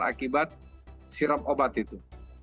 dari sirap obat itu